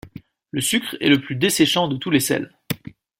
Le sucre est le plus desséchant de tous les sels.